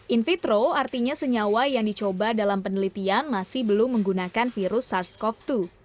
in vitro artinya senyawa yang dicoba dalam penelitian masih belum menggunakan virus sars cov dua